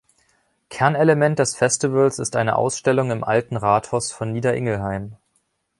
Kernelement des Festivals ist eine Ausstellung im alten Rathaus von "Nieder-Ingelheim".